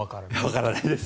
わからないです。